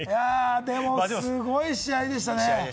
すごい試合でしたね。